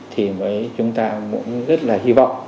thì chúng ta cũng rất là hy vọng